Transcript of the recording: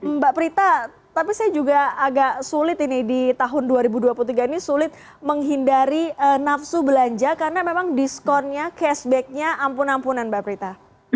mbak prita tapi saya juga agak sulit ini di tahun dua ribu dua puluh tiga ini sulit menghindari nafsu belanja karena memang diskonnya cashbacknya ampun ampunan mbak prita